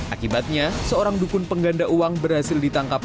akibatnya seorang dukun pengganda uang berhasil ditangkap